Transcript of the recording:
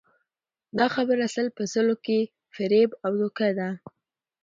دا خبره سل په سلو کې فریب او دوکه ده